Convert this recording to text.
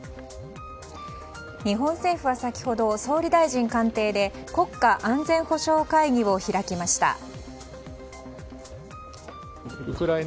日本政府は先ほど総理大臣官邸で国家安全保障会議を開きました。